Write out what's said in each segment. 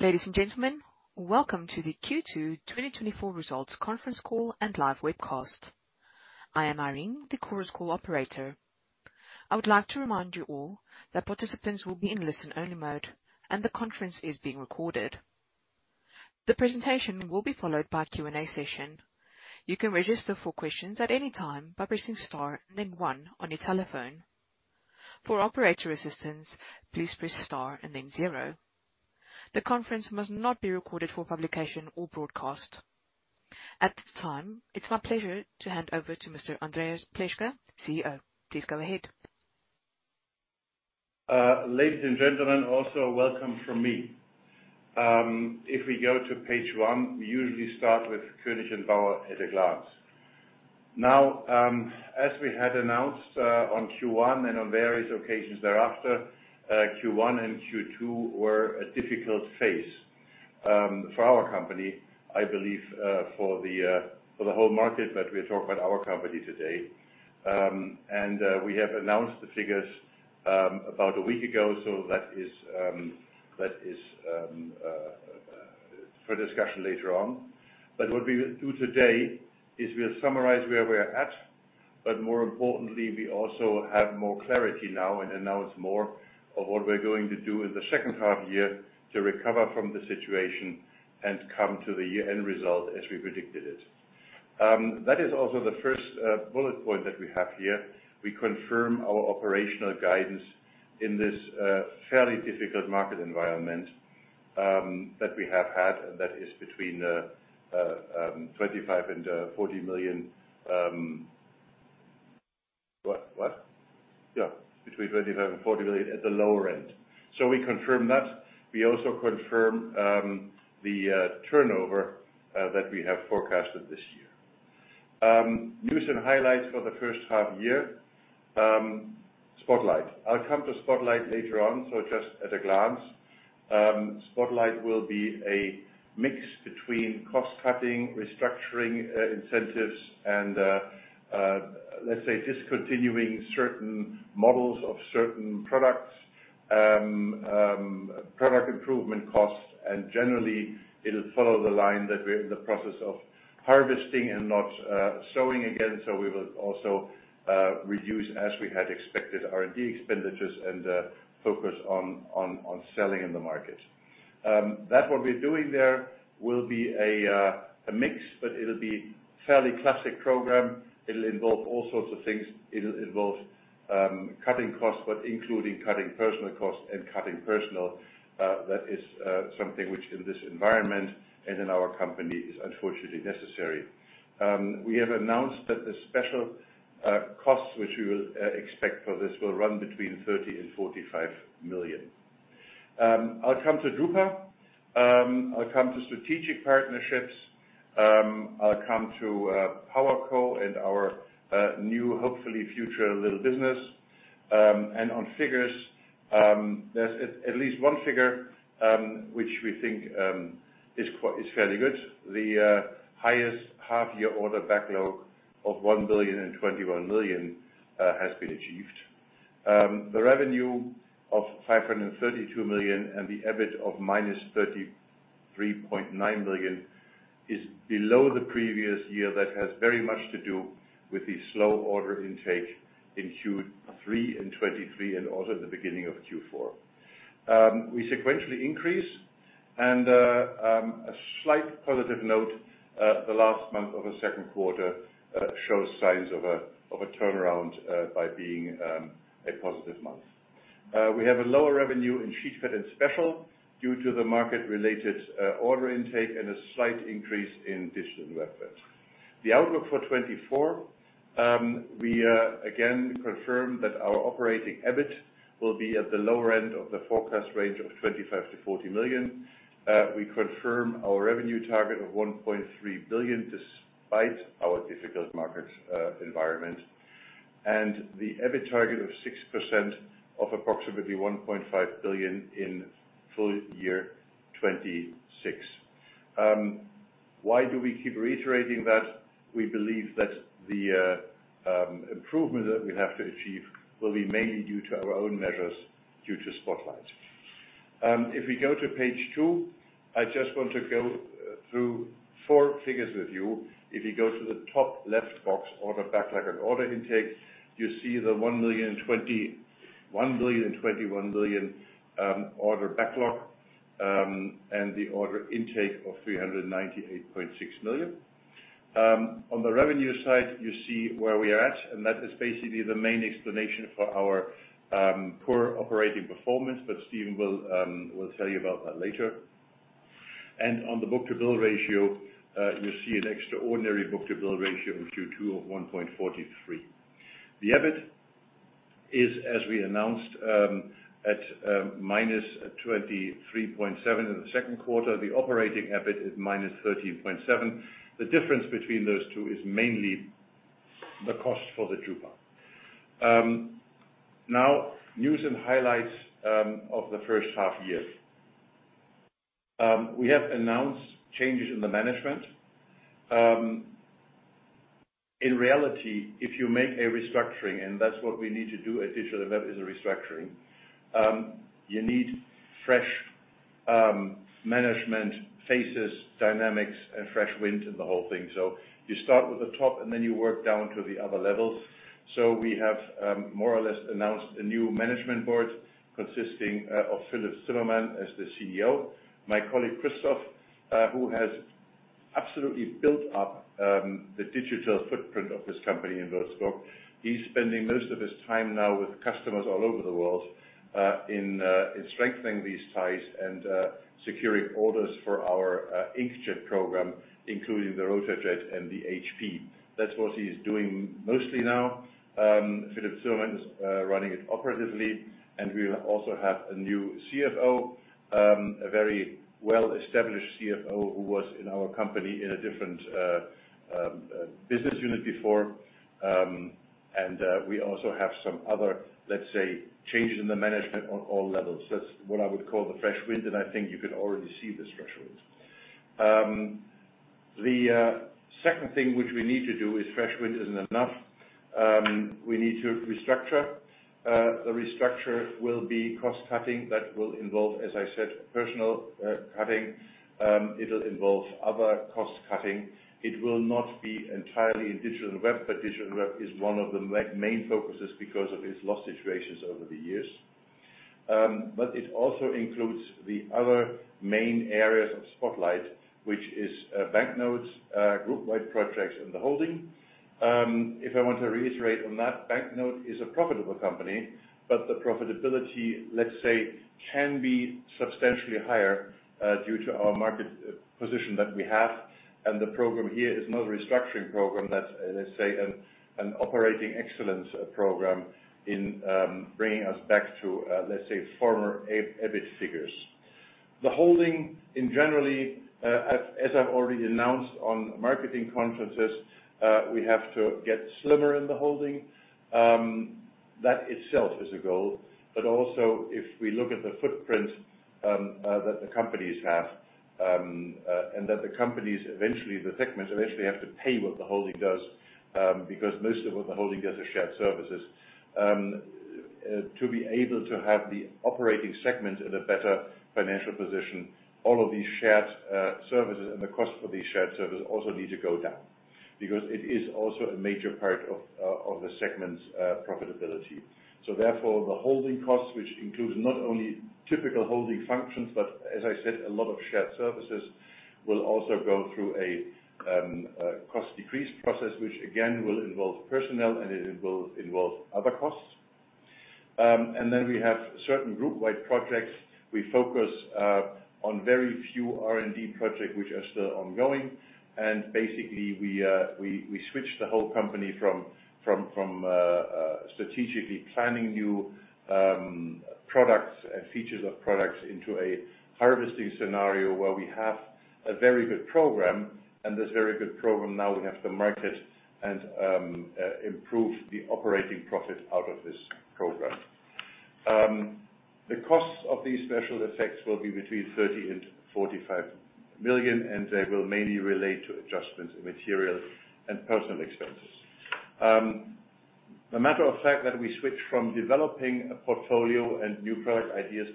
Ladies and gentlemen, welcome to the Q2 2024 Results Conference Call and Live Webcast. I am Irene, the Chorus Call operator. I would like to remind you all that participants will be in listen-only mode and the conference is being recorded. The presentation will be followed by a Q&A session. You can register for questions at any time by pressing star and then one on your telephone. For operator assistance, please press star and then zero. The conference must not be recorded for publication or broadcast. At this time, it's my pleasure to hand over to Mr. Andreas Pleßke, CEO. Please go ahead. Ladies and gentlemen, also welcome from me. If we go to page one, we usually start with Koenig & Bauer at a glance. As we had announced on Q1 and on various occasions thereafter, Q1 and Q2 were a difficult phase for our company. I believe for the whole market, but we'll talk about our company today. We have announced the figures about a week ago, so that is for discussion later on. What we will do today is we'll summarize where we're at, but more importantly, we also have more clarity now and announce more of what we're going to do in the second half year to recover from the situation and come to the year-end result as we predicted it. That is also the first bullet point that we have here. We confirm our operational guidance in this fairly difficult market environment that we have had, and that is between 25 million and 40 million. What? Between 25 million and 40 million at the lower end. We confirm that. We also confirm the turnover that we have forecasted this year. News and highlights for the first half year. Spotlight. I'll come to Spotlight later on, so just at a glance. Spotlight will be a mix between cost-cutting, restructuring incentives and, let's say, discontinuing certain models of certain products, product improvement costs, and generally, it'll follow the line that we're in the process of harvesting and not sowing again, so we will also reduce, as we had expected, R&D expenditures and focus on selling in the market. That what we're doing there will be a mix, but it'll be fairly classic program. It'll involve all sorts of things. It'll involve cutting costs, but including cutting personnel costs and cutting personnel. That is something which in this environment and in our company is unfortunately necessary. We have announced that the special costs which we will expect for this will run between 30 million and 45 million. I'll come to drupa. I'll come to strategic partnerships. I'll come to PowerCo and our new, hopefully future little business. On figures, there's at least one figure, which we think is fairly good. The highest half year order backlog of 1 billion and 21 million, has been achieved. The revenue of 532 million and the EBIT of minus 33.9 million is below the previous year. That has very much to do with the slow order intake in Q3 in 2023 and also the beginning of Q4. We sequentially increase and, a slight positive note, the last month of the second quarter shows signs of a turnaround, by being a positive month. We have a lower revenue in Sheetfed and Special due to the market-related order intake and a slight increase in Digital & Webfed. The outlook for 2024, we, again, confirm that our operating EBIT will be at the lower end of the forecast range of 25 million-40 million. We confirm our revenue target of 1.3 billion despite our difficult market environment. The EBIT target of 6% of approximately 1.5 billion in full year 2026. Why do we keep reiterating that? We believe that the improvement that we have to achieve will be mainly due to our own measures due to Spotlight. If we go to page two, I just want to go through four figures with you. If you go to the top left box, order backlog and order intake, you see the 1,021 million order backlog, and the order intake of 398.6 million. On the revenue side, you see where we are at, and that is basically the main explanation for our poor operating performance, but Stephen will tell you about that later. On the book-to-bill ratio, you see an extraordinary book-to-bill ratio in Q2 of 1.43. The EBIT is, as we announced, at minus 23.7 million in the second quarter. The operating EBIT is minus 13.7 million. The difference between those two is mainly the cost for the drupa. Now, news and highlights of the first half year. We have announced changes in the management. In reality, if you make a restructuring, and that's what we need to do at Digital & Webfed is a restructuring. You need fresh management, faces, dynamics, and fresh wind in the whole thing. You start with the top, then you work down to the other levels. We have more or less announced a new management board consisting of Philipp Zimmermann as the CEO. My colleague, Christoph, who has absolutely built up the digital footprint of this company in Würzburg. He's spending most of his time now with customers all over the world, in strengthening these ties and securing orders for our inkjet program, including the RotaJET and the HP. That's what he's doing mostly now. Philipp Zimmermann is running it operatively, and we also have a new CFO, a very well-established CFO who was in our company in a different business unit before. We also have some other, let's say, changes in the management on all levels. That's what I would call the fresh wind, and I think you can already see this fresh wind. The second thing which we need to do is fresh wind isn't enough. We need to restructure. The restructure will be cost-cutting that will involve, as I said, personal cutting. It'll involve other cost-cutting. It will not be entirely in Digital & Webfed, but Digital & Webfed is one of the main focuses because of its loss situations over the years. It also includes the other main areas of Spotlight, which is Banknote, group-wide projects, and the holding. If I want to reiterate on that, Banknote is a profitable company, but the profitability, let's say, can be substantially higher, due to our market position that we have. The program here is not a restructuring program, that's, let's say, an operating excellence program in bringing us back to, let's say, former EBIT figures. The holding in general, as I've already announced on marketing conferences, we have to get slimmer in the holding. That itself is a goal. If we look at the footprint that the companies have, and that the companies, eventually the segments, eventually have to pay what the holding does, because most of what the holding does are shared services. To be able to have the operating segment in a better financial position, all of these shared services and the cost for these shared services also need to go down, because it is also a major part of the segment's profitability. The holding costs, which includes not only typical holding functions but as I said, a lot of shared services, will also go through a cost decrease process, which again, will involve personnel and it will involve other costs. We have certain group-wide projects. We focus on very few R&D projects which are still ongoing. We switch the whole company from strategically planning new products and features of products into a harvesting scenario where we have a very good program. This very good program now we have to market and improve the operating profit out of this program. The costs of these special effects will be between 30 million and 45 million, and they will mainly relate to adjustments in material and personal expenses. A matter of fact, that we switched from developing a portfolio and new product ideas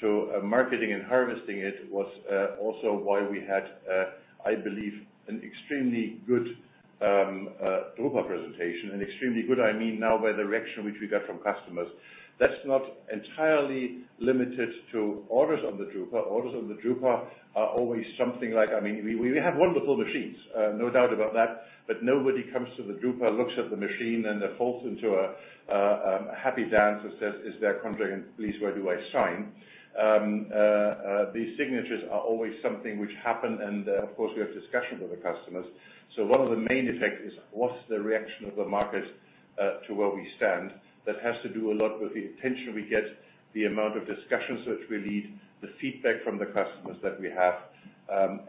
to marketing and harvesting it was also why we had, I believe, an extremely good drupa presentation and extremely good, I mean now by the reaction which we got from customers. That's not entirely limited to orders on the drupa. Orders on the drupa are always something like. We have wonderful machines, no doubt about that. Nobody comes to the drupa, looks at the machine, and falls into a happy dance and says, "Is there a contract? Please, where do I sign?" These signatures are always something which happen, and of course, we have discussions with the customers. One of the main effects is what's the reaction of the market to where we stand. That has to do a lot with the attention we get, the amount of discussions which we lead, the feedback from the customers that we have.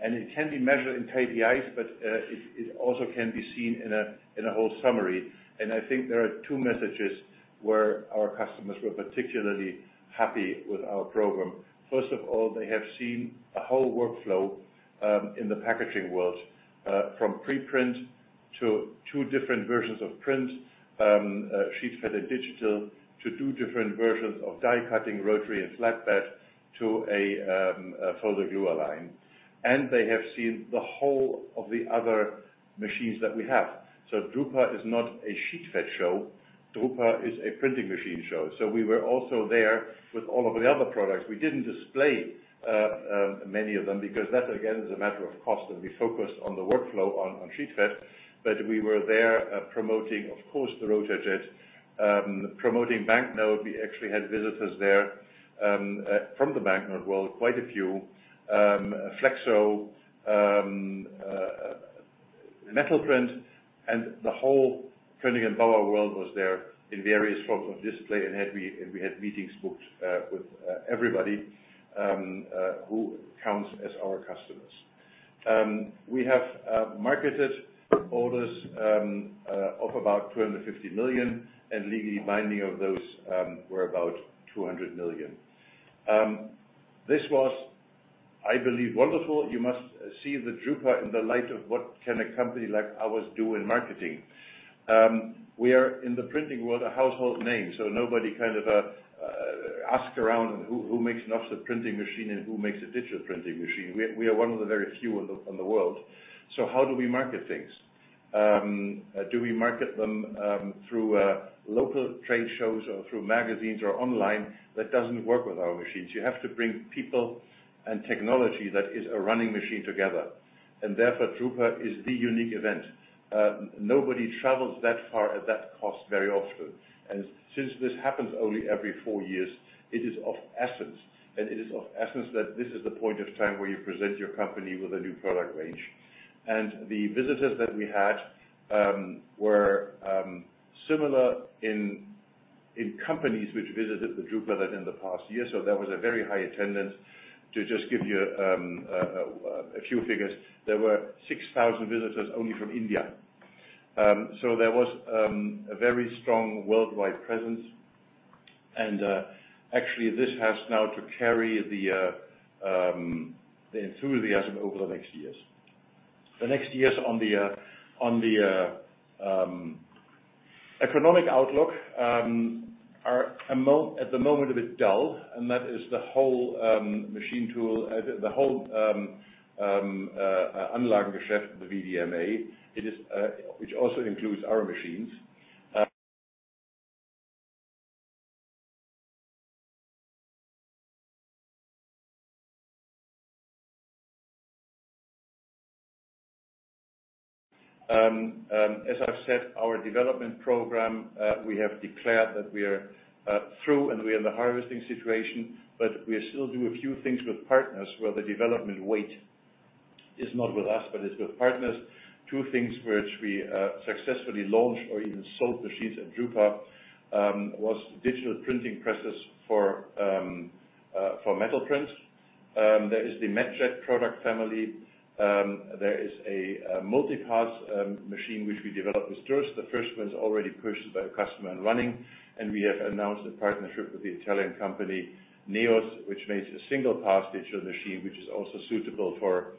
It can be measured in KPIs, but it also can be seen in a whole summary. I think there are two messages where our customers were particularly happy with our program. First of all, they have seen a whole workflow, in the packaging world, from pre-print to two different versions of print, Sheetfed and Digital, to two different versions of die cutting, rotary and flatbed, to a folder gluer line. They have seen the whole of the other machines that we have. drupa is not a Sheetfed show. drupa is a printing machine show. We were also there with all of the other products. We didn't display many of them because that, again, is a matter of cost, and we focused on the workflow on Sheetfed. We were there promoting, of course, the RotaJET, promoting Banknote. We actually had visitors there from the Banknote world, quite a few. Flexo, MetalPrint, and the whole Koenig & Bauer world was there in various forms of display, and we had meetings booked with everybody who counts as our customers. We have marketed orders of about 250 million, legally binding of those were about 200 million. I believe wonderful. You must see the drupa in the light of what can a company like ours do in marketing. We are, in the printing world, a household name, nobody kind of asks around who makes an offset printing machine and who makes a digital printing machine. We are one of the very few in the world. How do we market things? Do we market them through local trade shows or through magazines or online? That doesn't work with our machines. You have to bring people and technology that is a running machine together. Therefore, drupa is the unique event. Nobody travels that far at that cost very often. Since this happens only every four years, it is of essence. It is of essence that this is the point of time where you present your company with a new product range. The visitors that we had were similar in companies which visited the drupa than in the past year. There was a very high attendance. To just give you a few figures, there were 6,000 visitors only from India. There was a very strong worldwide presence and actually this has now to carry the enthusiasm over the next years. The next years on the economic outlook are, at the moment, a bit dull, that is the whole machine tool, the whole VDMA. Which also includes our machines. As I've said, our development program, we have declared that we are through and we are in the harvesting situation, we still do a few things with partners where the development weight is not with us, but it's with partners. Two things which we successfully launched or even sold machines at drupa, was digital printing presses for metal prints. There is the MetJET product family. There is a multi-pass machine, which we developed with Durst. The first one's already purchased by a customer and running, we have announced a partnership with the Italian company, Neos, which makes a single-pass digital machine, which is also suitable for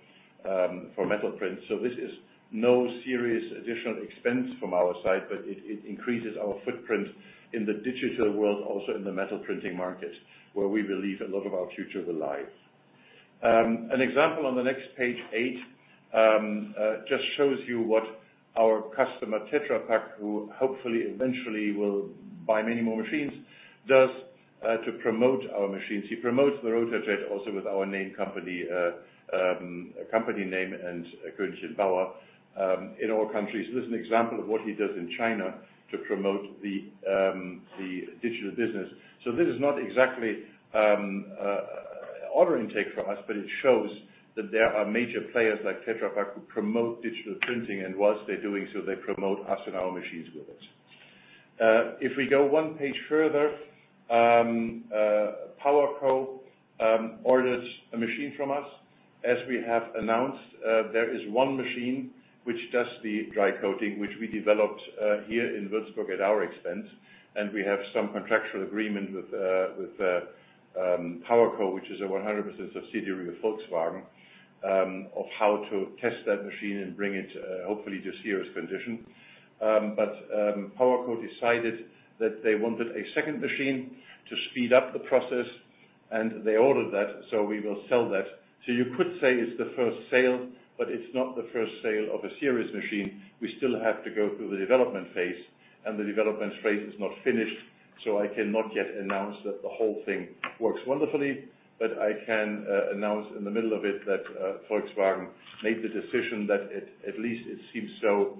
metal prints. This is no serious additional expense from our side, it increases our footprint in the digital world, also in the metal printing market, where we believe a lot of our future will lie. An example on the next page eight, just shows you what our customer, Tetra Pak, who hopefully eventually will buy many more machines, does to promote our machines. He promotes the RotaJET also with our name company name, and Koenig & Bauer, in all countries. This is an example of what he does in China to promote the digital business. This is not exactly order intake from us, it shows that there are major players like Tetra Pak who promote digital printing, whilst they're doing so, they promote us and our machines with it. If we go one page further, PowerCo orders a machine from us. As we have announced, there is one machine which does the dry coating, which we developed here in Würzburg at our expense, and we have some contractual agreement with PowerCo, which is 100% a subsidiary of Volkswagen, of how to test that machine and bring it, hopefully, to serious condition. PowerCo decided that they wanted a second machine to speed up the process, and they ordered that, so we will sell that. You could say it's the first sale, but it's not the first sale of a serious machine. We still have to go through the development phase, and the development phase is not finished, so I cannot yet announce that the whole thing works wonderfully. I can announce in the middle of it that Volkswagen made the decision that at least it seems so.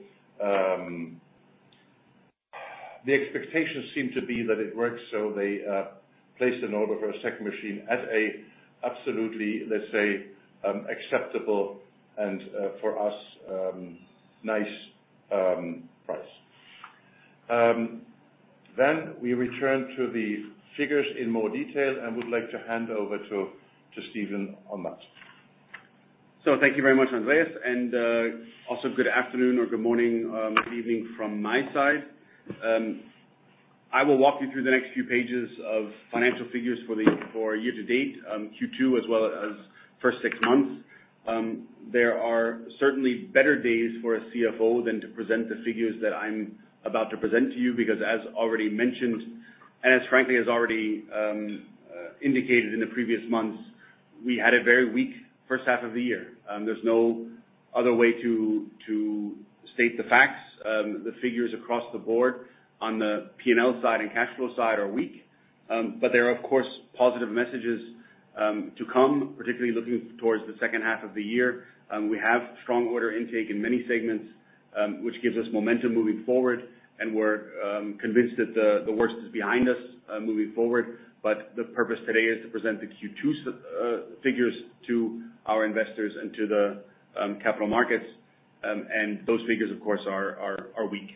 The expectations seem to be that it works, so they placed an order for a second machine at a absolutely, let's say, acceptable and for us, nice price. We return to the figures in more detail and would like to hand over to Stephen on that. Thank you very much, Andreas, and also good afternoon or good morning, good evening from my side. I will walk you through the next few pages of financial figures for year to date, Q2, as well as first six months. There are certainly better days for a CFO than to present the figures that I'm about to present to you because as already mentioned, and as frankly as already indicated in the previous months, we had a very weak first half of the year. There's no other way to state the facts. The figures across the board on the P&L side and cash flow side are weak. There are, of course, positive messages to come, particularly looking towards the second half of the year. We have strong order intake in many segments, which gives us momentum moving forward, and we're convinced that the worst is behind us moving forward. The purpose today is to present the Q2 figures to our investors and to the capital markets. Those figures, of course, are weak.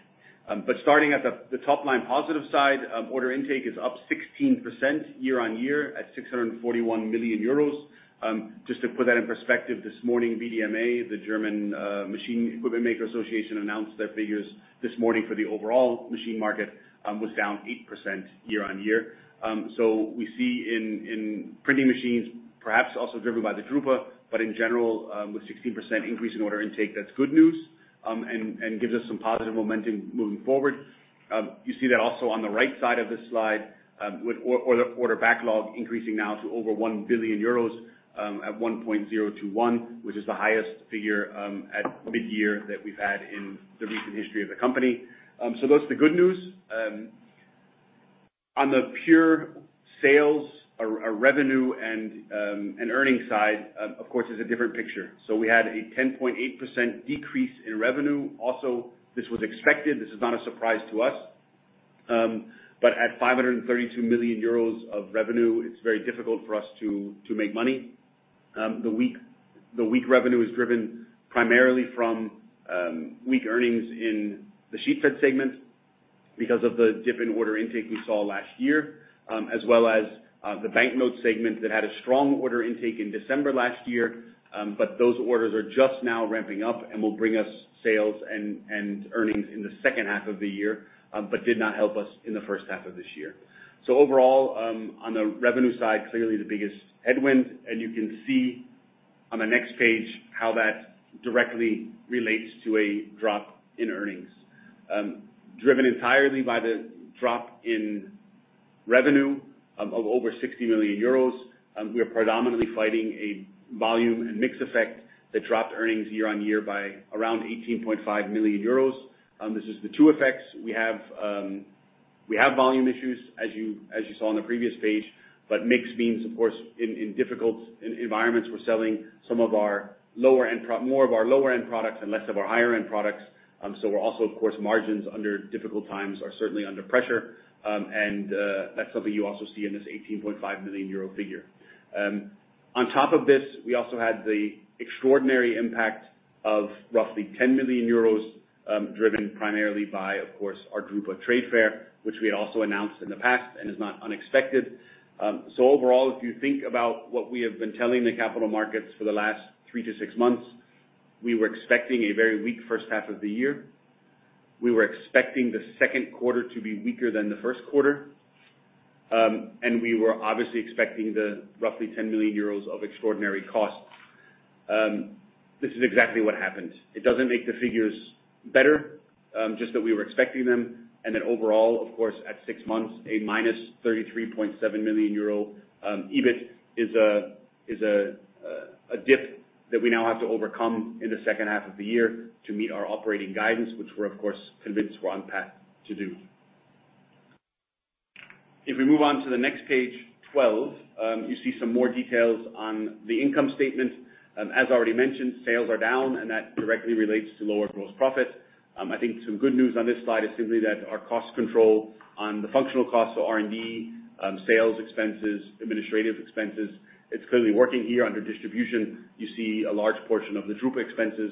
Starting at the top line positive side, order intake is up 16% year-on-year at 641 million euros. Just to put that in perspective, this morning, VDMA, the German Mechanical Engineering Industry Association, announced their figures this morning for the overall machine market, was down 8% year-on-year. We see in printing machines, perhaps also driven by the drupa, but in general, with 16% increase in order intake, that's good news and gives us some positive momentum moving forward. You see that also on the right side of this slide, with order backlog increasing now to over 1 billion euros, at 1.021 billion, which is the highest figure at mid-year that we've had in the recent history of the company. That's the good news. On the pure sales or revenue and earnings side, of course, it's a different picture. We had a 10.8% decrease in revenue. Also, this was expected. This is not a surprise to us. At 532 million euros of revenue, it's very difficult for us to make money. The weak revenue is driven primarily from weak earnings in the Sheetfed segment because of the dip in order intake we saw last year, as well as the Banknote segment that had a strong order intake in December last year, but those orders are just now ramping up and will bring us sales and earnings in the second half of the year, but did not help us in the first half of this year. Overall, on the revenue side, clearly the biggest headwind, and you can see on the next page how that directly relates to a drop in earnings. Driven entirely by the drop in revenue of over 60 million euros, we are predominantly fighting a volume and mix effect that dropped earnings year-on-year by around 18.5 million euros. This is the two effects. We have volume issues, as you saw on the previous page, mix means, of course, in difficult environments, we're selling more of our lower-end products and less of our higher-end products. We're also, of course, margins under difficult times are certainly under pressure. That's something you also see in this 18.5 million euro figure. On top of this, we also had the extraordinary impact of roughly 10 million euros, driven primarily by, of course, our drupa Trade Fair, which we had also announced in the past and is not unexpected. Overall, if you think about what we have been telling the capital markets for the last three to six months, we were expecting a very weak first half of the year. We were expecting the second quarter to be weaker than the first quarter. We were obviously expecting the roughly 10 million euros of extraordinary costs. This is exactly what happened. It doesn't make the figures better, just that we were expecting them. Overall, of course, at six months, a minus 33.7 million euro EBIT is a dip that we now have to overcome in the second half of the year to meet our operating guidance, which we're of course convinced we're on path to do. If we move on to the next page 12, you see some more details on the income statement. As already mentioned, sales are down, and that directly relates to lower gross profit. I think some good news on this slide is simply that our cost control on the functional costs, R&D, sales expenses, administrative expenses, it's clearly working here. Under distribution, you see a large portion of the drupa expenses.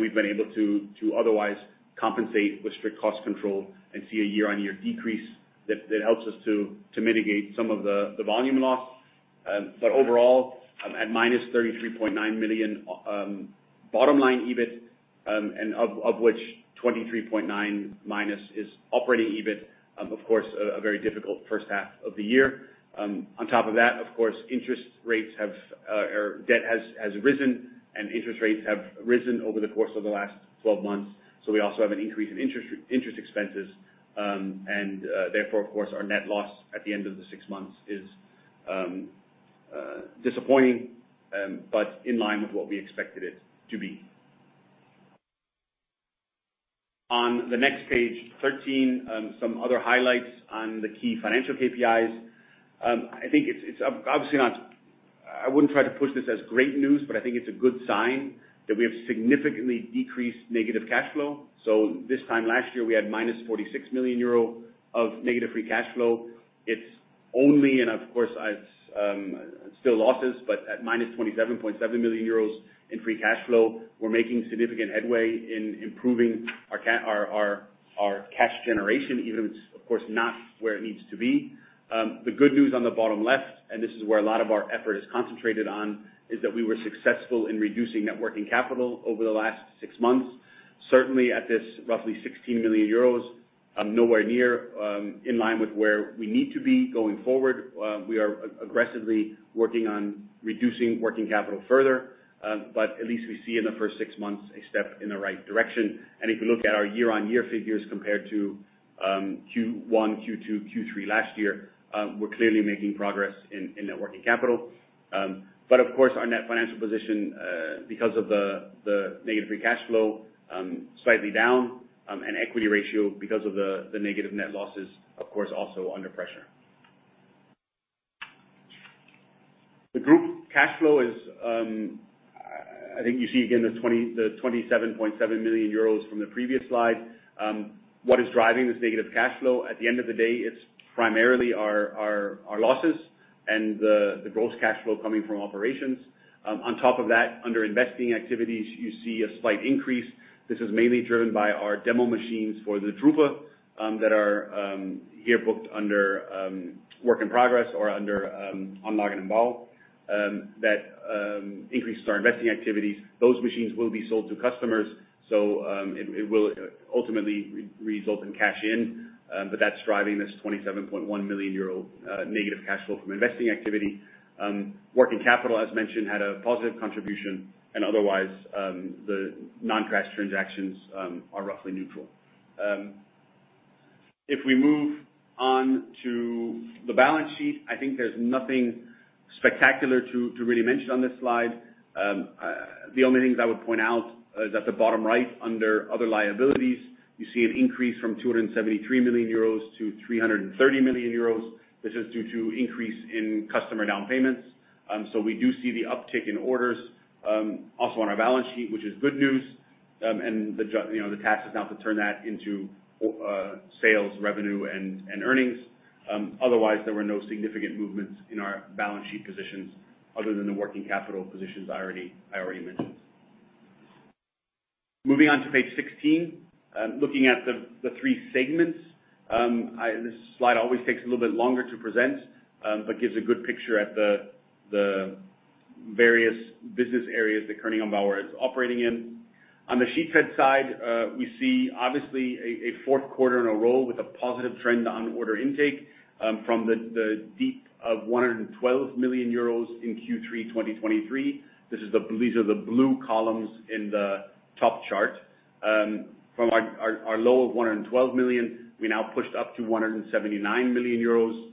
We've been able to otherwise compensate with strict cost control and see a year-on-year decrease that helps us to mitigate some of the volume loss. Overall, at minus 33.9 million bottom line EBIT, of which 23.9 million minus is operating EBIT, of course, a very difficult first half of the year. On top of that, of course, debt has risen and interest rates have risen over the course of the last 12 months. We also have an increase in interest expenses. Therefore, of course, our net loss at the end of the six months is disappointing, but in line with what we expected it to be. On the next page 13, some other highlights on the key financial KPIs. I wouldn't try to push this as great news, but I think it's a good sign that we have significantly decreased negative cash flow. This time last year, we had minus 46 million euro of negative free cash flow. It's only, of course, it's still losses, but at minus 27.7 million euros in free cash flow, we're making significant headway in improving our cash generation, even if it's, of course, not where it needs to be. The good news on the bottom left, this is where a lot of our effort is concentrated on, is that we were successful in reducing net working capital over the last six months. Certainly at this roughly 16 million euros, nowhere near in line with where we need to be going forward. We are aggressively working on reducing working capital further. At least we see in the first six months a step in the right direction. If you look at our year-on-year figures compared to Q1, Q2, Q3 last year, we're clearly making progress in net working capital. Of course, our net financial position, because of the negative free cash flow, slightly down equity ratio because of the negative net losses, of course, also under pressure. The group cash flow is, I think you see again the 27.7 million euros from the previous slide. What is driving this negative cash flow? At the end of the day, it's primarily our losses. The gross cash flow coming from operations. On top of that, under investing activities, you see a slight increase. This is mainly driven by our demo machines for the drupa, that are year booked under work in progress or under ongoing involved, that increase our investing activities. Those machines will be sold to customers, it will ultimately result in cash in, but that's driving this 27.1 million euro negative cash flow from investing activity. Working capital, as mentioned, had a positive contribution. Otherwise, the non-cash transactions are roughly neutral. If we move on to the balance sheet, I think there's nothing spectacular to really mention on this slide. The only things I would point out is at the bottom right, under other liabilities, you see an increase from 273 million euros to 330 million euros. This is due to increase in customer down payments. We do see the uptick in orders, also on our balance sheet, which is good news. The task is now to turn that into sales revenue and earnings. Otherwise, there were no significant movements in our balance sheet positions other than the working capital positions I already mentioned. Moving on to page 16, looking at the three segments. This slide always takes a little bit longer to present, but gives a good picture at the various business areas that Koenig & Bauer is operating in. On the Sheetfed side, we see obviously a fourth quarter in a row with a positive trend on order intake, from the deep of 112 million euros in Q3 2023. These are the blue columns in the top chart. From our low of 112 million, we now pushed up to 179 million euros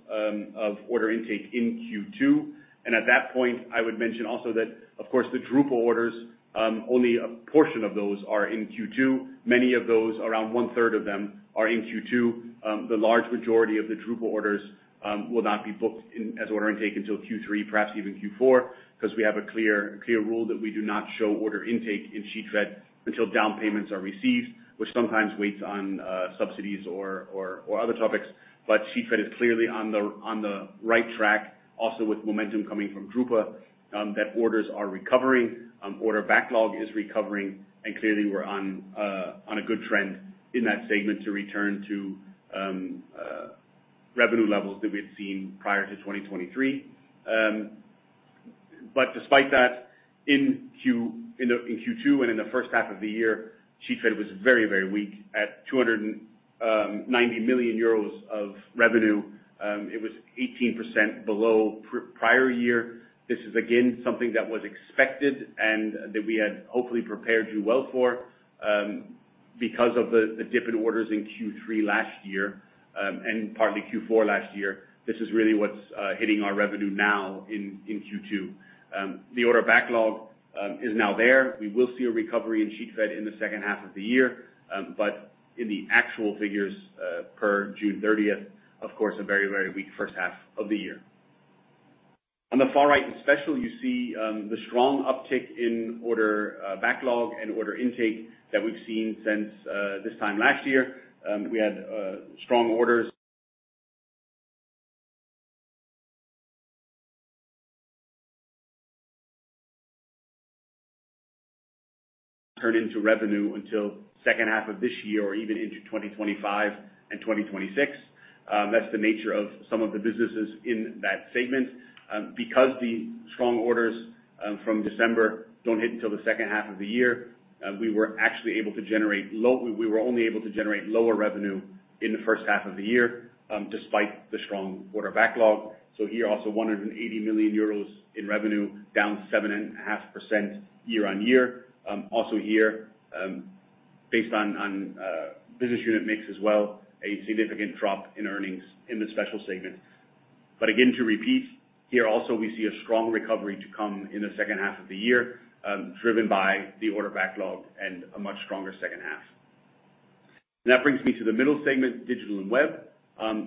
of order intake in Q2. At that point, I would mention also that, of course, the drupa orders, only a portion of those are in Q2. Many of those, around one-third of them, are in Q2. The large majority of the drupa orders will not be booked as order intake until Q3, perhaps even Q4, because we have a clear rule that we do not show order intake in Sheetfed until down payments are received, which sometimes waits on subsidies or other topics. Sheetfed is clearly on the right track, also with momentum coming from drupa, that orders are recovering, order backlog is recovering, and clearly we're on a good trend in that segment to return to revenue levels that we had seen prior to 2023. Despite that, in Q2 and in the first half of the year, Sheetfed was very weak at 290 million euros of revenue. It was 18% below prior year. This is again, something that was expected and that we had hopefully prepared you well for. Of the dip in orders in Q3 last year, and partly Q4 last year, this is really what's hitting our revenue now in Q2. The order backlog is now there. We will see a recovery in Sheetfed in the second half of the year. In the actual figures, per June 30th, of course, a very weak first half of the year. On the far right in Special, you see the strong uptick in order backlog and order intake that we've seen since this time last year. We had strong orders. Turn into revenue until second half of this year, or even into 2025 and 2026. That's the nature of some of the businesses in that segment. The strong orders from December don't hit until the second half of the year, we were only able to generate lower revenue in the first half of the year, despite the strong order backlog. Here, also 180 million euros in revenue, down 7.5% year on year. Also here, based on business unit mix as well, a significant drop in earnings in the Special segment. Again, to repeat, here also, we see a strong recovery to come in the second half of the year, driven by the order backlog and a much stronger second half. That brings me to the middle segment, Digital & Webfed.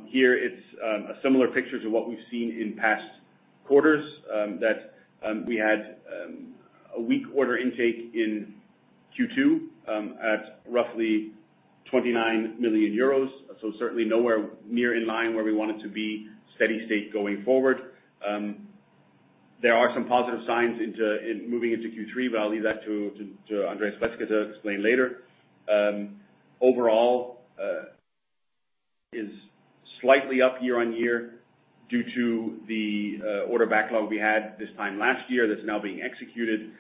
Here it's a similar picture to what we've seen in past quarters, that we had a weak order intake in Q2, at roughly 29 million euros. Certainly nowhere near in line where we want it to be steady state going forward. There are some positive signs moving into Q3, but I will leave that to Dr. Andreas Pleßke to explain later. Overall, it is slightly up year-over-year due to the order backlog we had this time last year that is now being executed.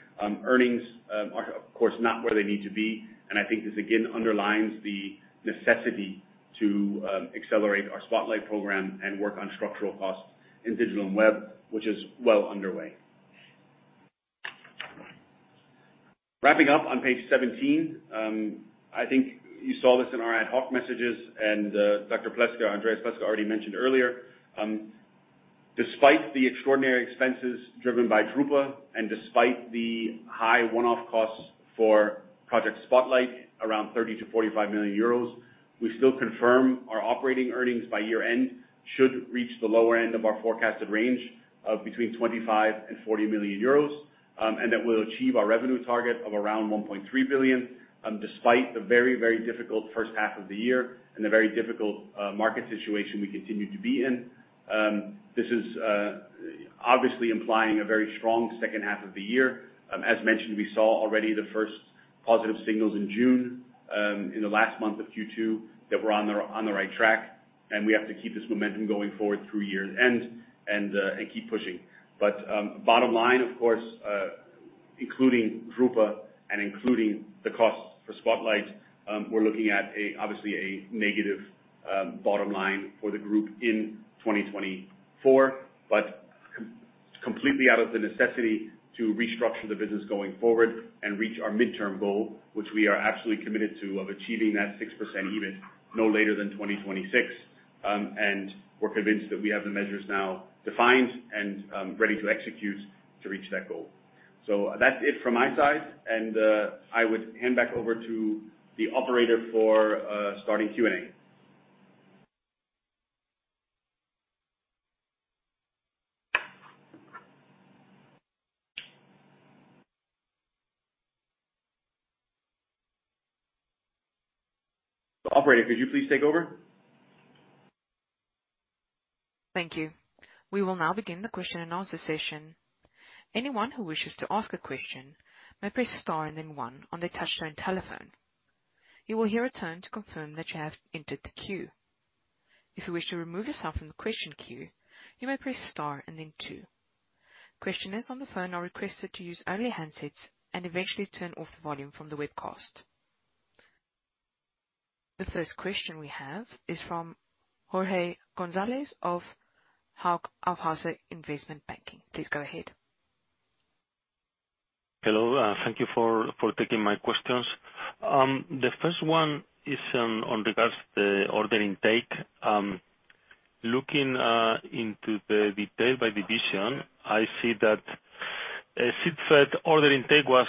Earnings are, of course, not where they need to be, and I think this again underlines the necessity to accelerate our Spotlight program and work on structural costs in Digital & Webfed, which is well underway. Wrapping up on page 17. I think you saw this in our ad hoc messages and Dr. Andreas Pleßke already mentioned earlier. Despite the extraordinary expenses driven by drupa and despite the high one-off costs for Project Spotlight, around 30 million-45 million euros, we still confirm our operating earnings by year-end should reach the lower end of our forecasted range of between 25 million and 40 million euros. And that we will achieve our revenue target of around 1.3 billion, despite the very difficult first half of the year and the very difficult market situation we continue to be in. This is obviously implying a very strong second half of the year. As mentioned, we saw already the first positive signals in June, in the last month of Q2, that we are on the right track, and we have to keep this momentum going forward through year-end, and keep pushing. Bottom line, of course, including drupa and including the costs for Spotlight, we are looking at, obviously, a negative bottom line for the group in 2024. But completely out of the necessity to restructure the business going forward and reach our midterm goal, which we are absolutely committed to, of achieving that 6% EBIT no later than 2026. And we are convinced that we have the measures now defined and ready to execute to reach that goal. That is it from my side, and I would hand back over to the operator for starting Q&A. Operator, could you please take over? Thank you. We will now begin the question and answer session. Anyone who wishes to ask a question may press star and then one on their touchtone telephone. You will hear a tone to confirm that you have entered the queue. If you wish to remove yourself from the question queue, you may press star and then two. Questioners on the phone are requested to use only handsets and eventually turn off the volume from the webcast. The first question we have is from Jorge Gonzalez of Hauck Aufhäuser Investment Banking. Please go ahead. Hello, thank you for taking my questions. The first one is on regards the order intake. Looking into the detail by division, I see that Sheetfed order intake was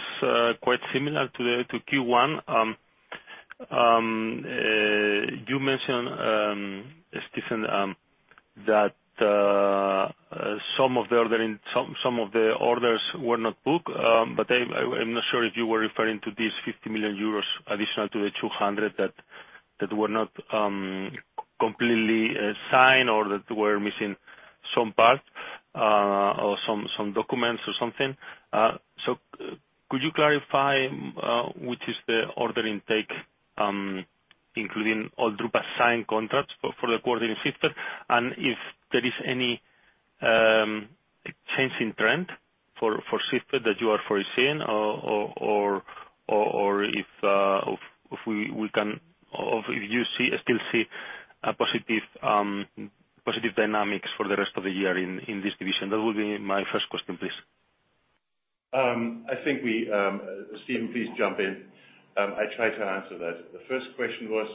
quite similar to Q1. You mentioned, Stephen, that some of the orders were not booked. I'm not sure if you were referring to these 50 million euros additional to the 200 that were not completely signed or that were missing some parts or some documents or something. Could you clarify what is the order intake, including all Drupa signed contracts for the quarter in Sheetfed? If there is any change in trend for Sheetfed that you are foreseeing, or if you still see a positive dynamics for the rest of the year in this division? That would be my first question, please. Stephen, please jump in. I tried to answer that. The first question was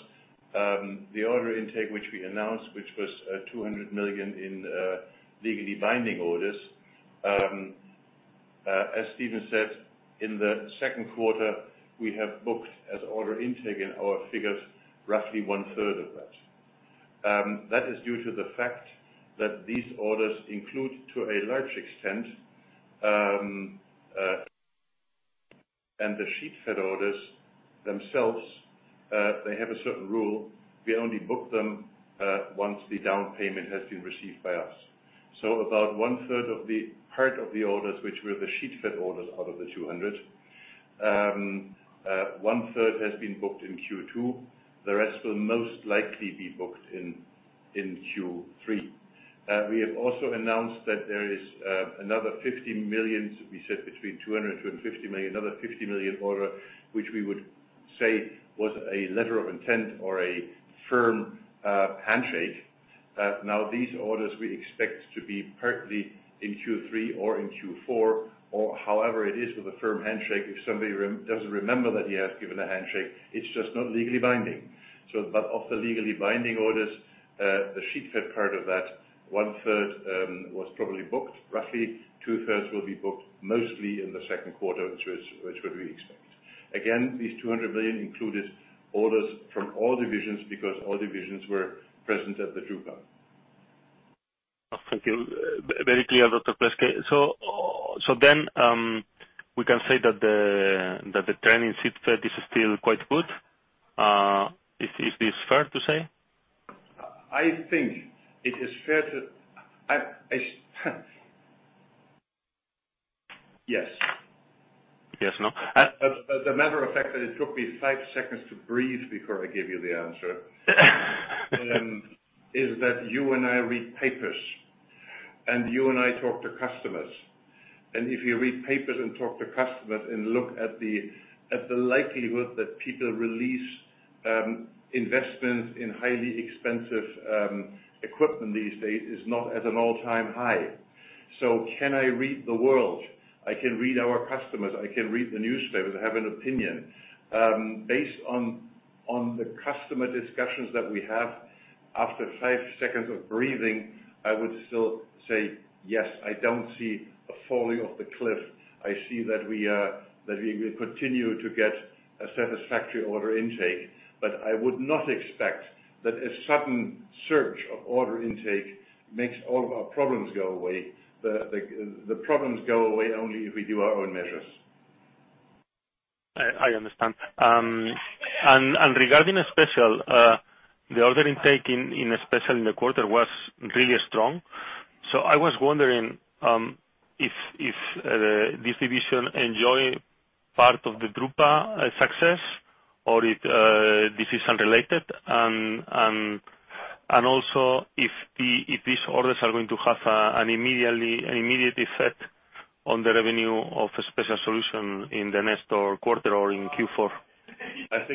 the order intake, which we announced, which was 200 million in legally binding orders. As Stephen said, in the second quarter, we have booked as order intake in our figures roughly one third of that. That is due to the fact that these orders include, to a large extent, the Sheetfed orders themselves, they have a certain rule. We only book them once the down payment has been received by us. About one third of the part of the orders, which were the Sheetfed orders out of the 200, one third has been booked in Q2. The rest will most likely be booked in Q3. We have also announced that there is another 50 million. We said between 200 million-250 million, another 50 million order, which we would say was a letter of intent or a firm handshake. These orders we expect to be partly in Q3 or in Q4, or however it is with a firm handshake. If somebody doesn't remember that he has given a handshake, it's just not legally binding. Of the legally binding orders, the Sheetfed part of that one third was probably booked. Roughly two thirds will be booked mostly in the second quarter, which would we expect. Again, these 200 million included orders from all divisions because all divisions were present at the Drupa. Thank you. Very clear, Dr. Pleßke. We can say that the trend in Sheetfed is still quite good. Is this fair to say? I think it is fair. Yes. Yes, no? As a matter of fact, it took me five seconds to breathe before I gave you the answer. Is that you and I read papers, and you and I talk to customers. If you read papers and talk to customers and look at the likelihood that people release investments in highly expensive equipment these days is not at an all-time high. Can I read the world? I can read our customers. I can read the newspapers. I have an opinion. Based on the customer discussions that we have, after five seconds of breathing, I would still say yes. I don't see a falling off the cliff. I see that we will continue to get a satisfactory order intake. I would not expect that a sudden surge of order intake makes all of our problems go away. The problems go away only if we do our own measures. I understand. Regarding Special, the order intake in Special in the quarter was really strong. I was wondering if this division enjoy part of the drupa success or if this is unrelated. Also, if these orders are going to have an immediate effect on the revenue of a Special solution in the next quarter or in Q4.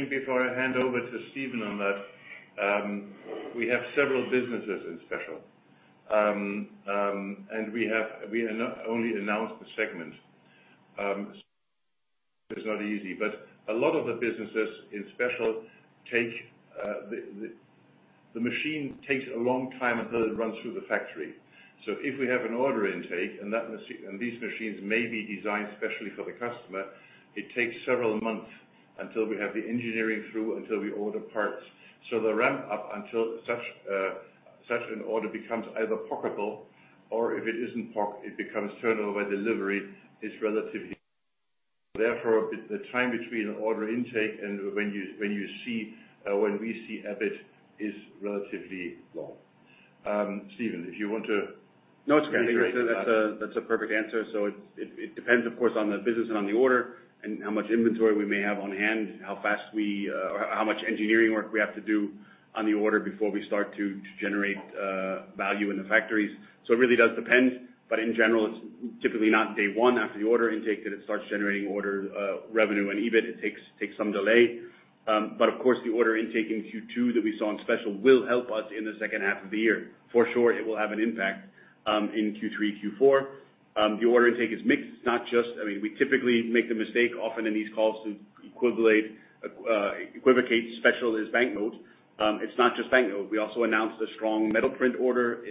Before I hand over to Stephen on that, we have several businesses in Special, and we only announced the segment. It's not easy, but a lot of the businesses in Special, the machines take a long time until it runs through the factory. If we have an order intake, and these machines may be designed specially for the customer, it takes several months until we have the engineering through, until we order parts. The ramp up until such an order becomes either PO-able or if it isn't PO-ed, it becomes turnover, delivery is relatively. The time between order intake and when we see EBIT is relatively long. Stephen, if you want to- No, that's a perfect answer. It depends, of course, on the business and on the order, and how much inventory we may have on hand, how much engineering work we have to do on the order before we start to generate value in the factories. It really does depend. In general, it's typically not day one after the order intake that it starts generating order revenue and EBIT, it takes some delay. Of course, the order intake in Q2 that we saw in Special will help us in the second half of the year. For sure, it will have an impact, in Q3, Q4. The order intake is mixed. We typically make the mistake often in these calls to equivocate Special as Banknote. It's not just Banknote. We also announced a strong MetalPrint order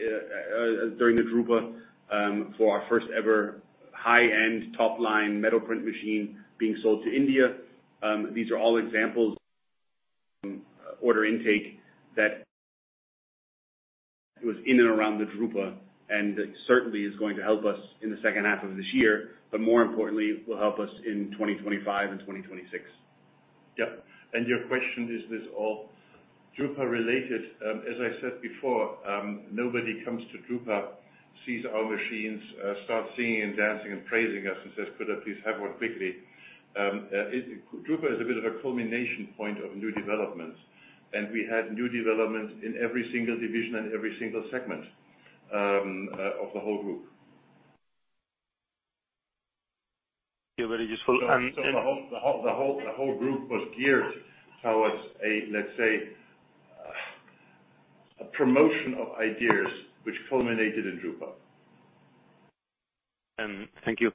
during the drupa, for our first ever high-end top-line MetalPrint machine being sold to India. These are all examples, order intake that was in and around the drupa, and it certainly is going to help us in the second half of this year. More importantly, will help us in 2025 and 2026. Yeah. Your question, is this all drupa-related? As I said before, nobody comes to drupa, sees our machines, start singing and dancing and praising us and says, "Could I please have one quickly?" drupa is a bit of a culmination point of new developments, and we had new developments in every single division and every single segment of the whole group. Very useful. The whole group was geared towards a promotion of ideas which culminated in drupa. Thank you.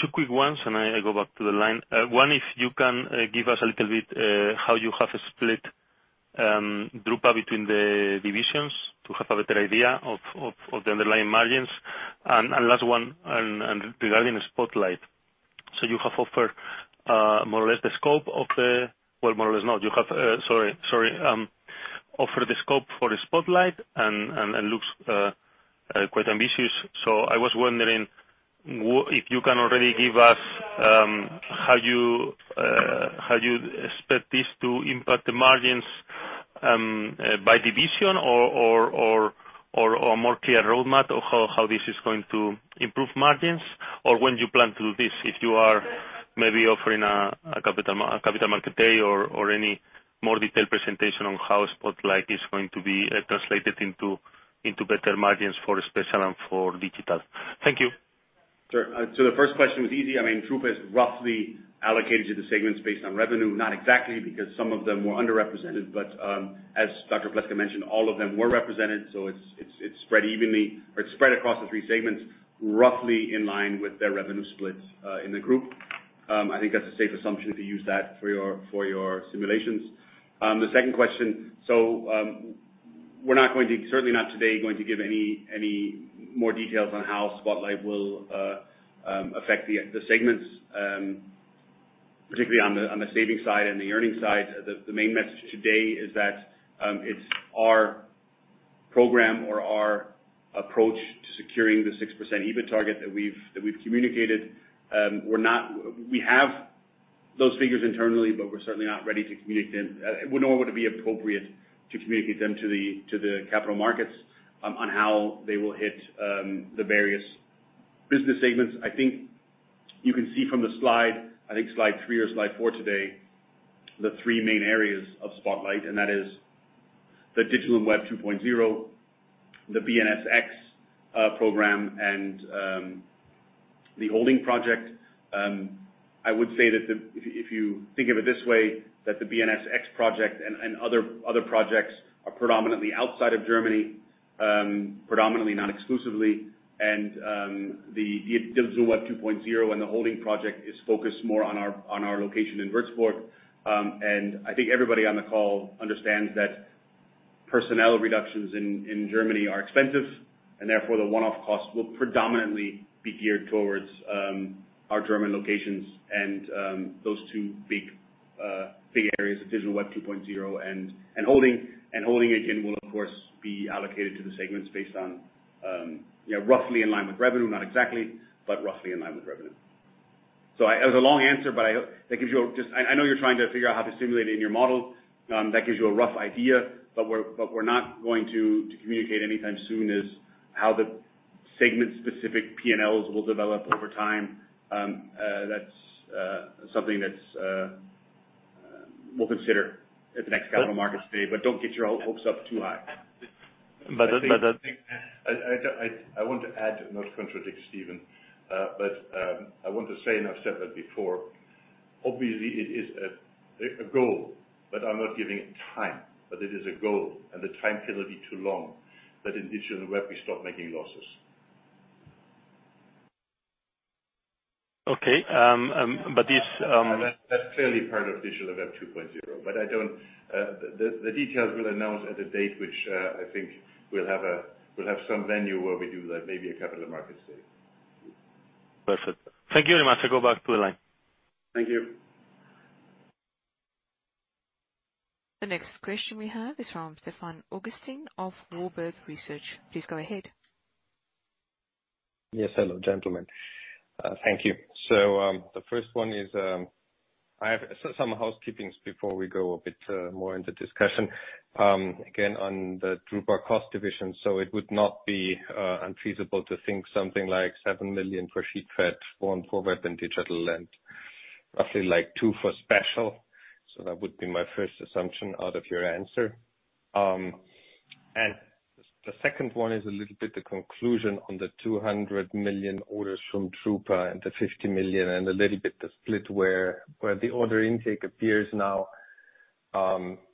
Two quick ones, I go back to the line. One, if you can give us a little bit, how you have split drupa between the divisions to have a better idea of the underlying margins. Last one, regarding Spotlight. Offer the scope for the Spotlight and looks quite ambitious. I was wondering if you can already give us how you expect this to impact the margins by division or more clear roadmap of how this is going to improve margins, or when do you plan to do this? If you are maybe offering a Capital Markets Day or any more detailed presentation on how Spotlight is going to be translated into better margins for Special and for Digital. Thank you. Sure. The first question was easy. I mean, drupa is roughly allocated to the segments based on revenue. Not exactly, because some of them were underrepresented, but, as Dr. Pleßke mentioned, all of them were represented, so it is spread evenly, or it is spread across the three segments, roughly in line with their revenue splits in the group. I think that is a safe assumption if you use that for your simulations. The second question. We are not, certainly not today, going to give any more details on how Spotlight will affect the segments. Particularly on the savings side and the earnings side. The main message today is that it is our program or our approach to securing the 6% EBIT target that we have communicated. We have those figures internally, we're certainly not ready to communicate them, nor would it be appropriate to communicate them to the capital markets on how they will hit the various business segments. You can see from the slide three or slide four today, the three main areas of Spotlight, that is the Digital and Web 2.0, the BNSx program, and the holding project. I would say that if you think of it this way, the BNSx project and other projects are predominantly outside of Germany. Predominantly, not exclusively. The Digital and Web 2.0 and the holding project is focused more on our location in Würzburg. Everybody on the call understands that personnel reductions in Germany are expensive, and therefore the one-off costs will predominantly be geared towards our German locations and those two big areas of Digital and Web 2.0 and holding. Holding again, will of course be allocated to the segments based on roughly in line with revenue. Not exactly, but roughly in line with revenue. It was a long answer, but I hope that gives you a I know you're trying to figure out how to simulate it in your model. That gives you a rough idea. What we're not going to communicate anytime soon is how the segment-specific P&Ls will develop over time. That's something that we'll consider at the next Capital Markets Day, don't get your hopes up too high. But- I want to add, not contradict Stephen, I want to say, I've said that before, obviously it is a goal, I'm not giving it time. It is a goal, the time cannot be too long that in Digital & Webfed, we stop making losses. Okay. This- That's clearly part of Digital & Webfed 2.0, but the details we'll announce at a date which, I think we'll have some venue where we do that, maybe a Capital Markets Day. Perfect. Thank you very much. I go back to the line. Thank you. The next question we have is from Stefan Augustin of Warburg Research. Please go ahead. Yes. Hello, gentlemen. Thank you. The first one is, I have some housekeepings before we go a bit more into discussion. Again, on the drupa cost division, it would not be unfeasible to think something like 7 million for Sheetfed, 4 and 4 million for Digital & Webfed, and roughly 2 million for Special. That would be my first assumption out of your answer. The second one is a little bit the conclusion on the 200 million orders from drupa and the 50 million, and a little bit the split where the order intake appears now,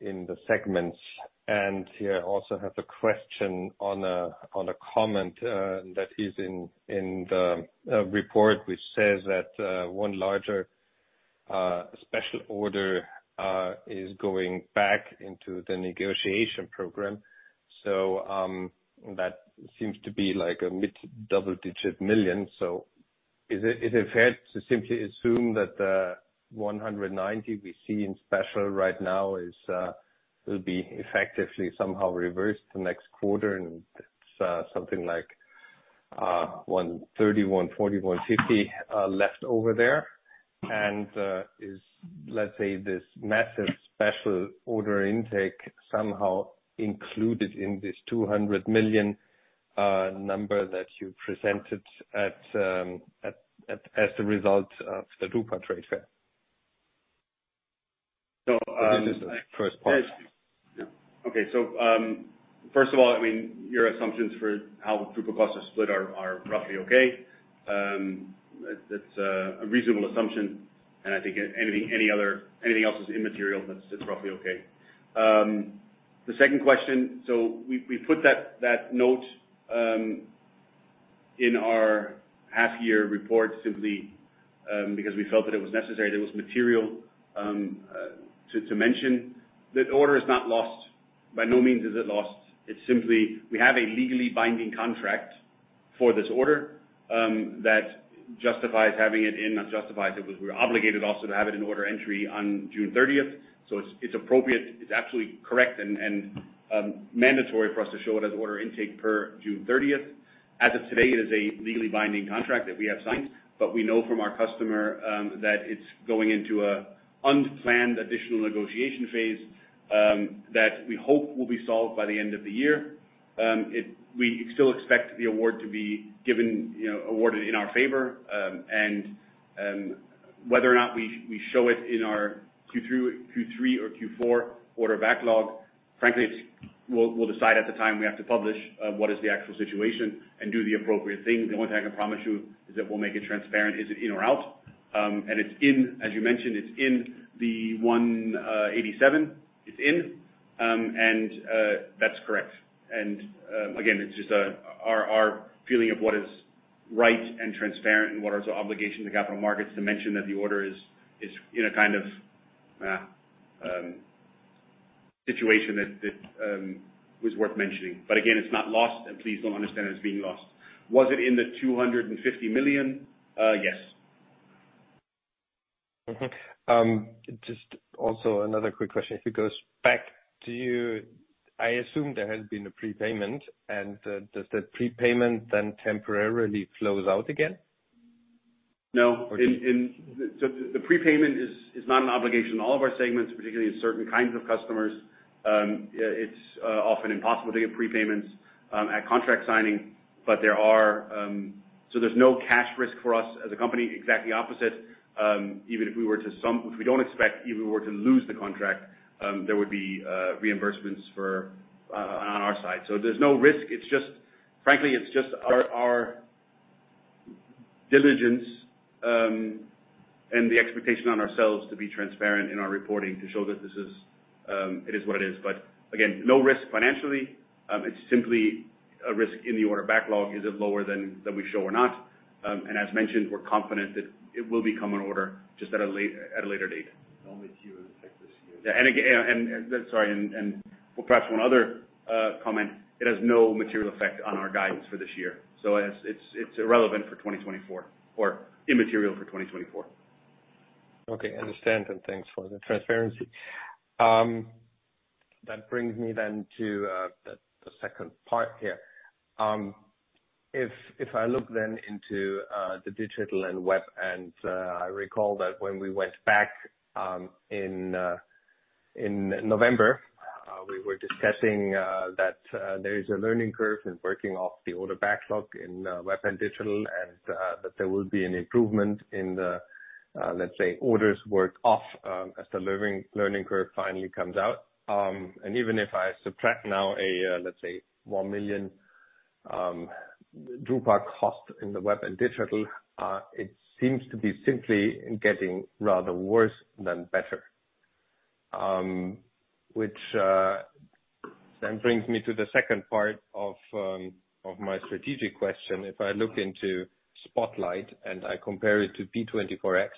in the segments. Here I also have a question on a comment, that is in the report, which says that, one larger Special order is going back into the negotiation program. That seems to be like a mid-double digit million. Is it fair to simply assume that the 190 million we see in Special right now will be effectively somehow reversed the next quarter? It's something like, 130 million, 140 million, 150 million left over there. Is, let's say, this massive Special order intake somehow included in this 200 million number that you presented as the result of the drupa trade fair? So- This is the first part. Okay. First of all, your assumptions for how drupa costs are split are roughly okay. That's a reasonable assumption. I think anything else is immaterial, that's roughly okay. The second question, we put that note in our half-year report simply because we felt that it was necessary, that it was material to mention. That order is not lost. By no means is it lost. It's simply, we have a legally binding contract for this order, that justifies having it in. Not justifies it, we're obligated also to have it in order entry on June 30th. It's appropriate. It's absolutely correct and mandatory for us to show it as order intake per June 30th. As of today, it is a legally binding contract that we have signed, we know from our customer that it's going into an unplanned additional negotiation phase, that we hope will be solved by the end of the year. We still expect the award to be given, awarded in our favor. Whether or not we show it in our Q3 or Q4 order backlog, frankly, we'll decide at the time we have to publish, what is the actual situation and do the appropriate thing. The only thing I can promise you is that we'll make it transparent. Is it in or out? It's in, as you mentioned, it's in the 187. It's in. That's correct. Again, it's just our feeling of what is right and transparent and what is our obligation to capital markets to mention that the order is in a kind of situation that was worth mentioning. Again, it's not lost, and please don't understand it as being lost. Was it in the 250 million? Yes. Just also another quick question. If it goes back to you, I assume there has been a prepayment, does that prepayment then temporarily flow out again? No. The prepayment is not an obligation. In all of our segments, particularly in certain kinds of customers, it's often impossible to get prepayments at contract signing. There's no cash risk for us as a company. Exactly opposite. Which we don't expect, even were to lose the contract, there would be reimbursements on our side. There's no risk. Frankly, it's just our diligence, and the expectation on ourselves to be transparent in our reporting to show that it is what it is. Again, no risk financially. It's simply a risk in the order backlog. Is it lower than we show or not? As mentioned, we're confident that it will become an order, just at a later date. It's only Q in the Texas year. Again, sorry, perhaps one other comment. It has no material effect on our guidance for this year. It's irrelevant for 2024 or immaterial for 2024. Okay, understand. Thanks for the transparency. That brings me to the second part here. If I look into the Digital & Webfed, I recall that when we went back in November, we were discussing that there is a learning curve in working off the order backlog in Digital & Webfed, that there will be an improvement in the, let's say, orders work off as the learning curve finally comes out. Even if I subtract now, let's say, 1 million Drupa cost in the Digital & Webfed, it seems to be simply getting rather worse than better. Which brings me to the second part of my strategic question. If I look into Spotlight, I compare it to P24X,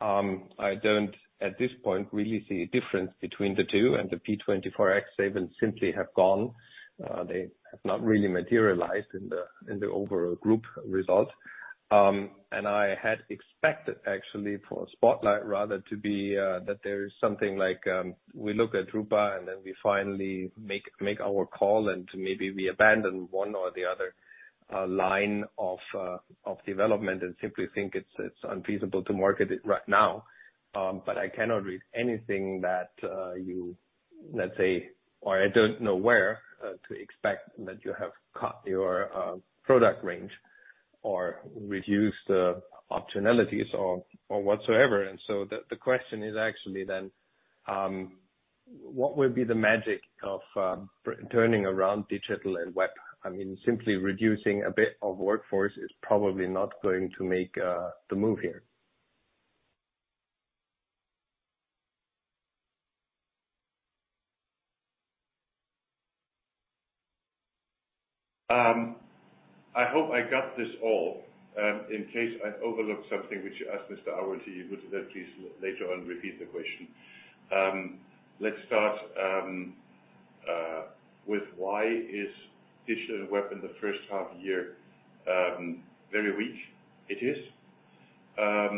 I don't, at this point, really see a difference between the two. The P24X savings simply have gone. They have not really materialized in the overall group result. I had expected, actually, for Spotlight rather, that there is something like, we look at Drupa, we finally make our call, maybe we abandon one or the other line of development, simply think it's unfeasible to market it right now. I cannot read anything that you, let's say, or I don't know where to expect that you have cut your product range or reduced the optionalities or whatsoever. The question is actually, what will be the magic of turning around Digital & Webfed? Simply reducing a bit of workforce is probably not going to make the move here. I hope I got this all. In case I overlooked something, would you ask Mr. Augustin if he would please later on repeat the question. Let's start with why is Digital & Webfed in the first half-year very weak? It is. I